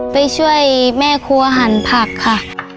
ไปช่วยแม่ครัวหันผักค่ะ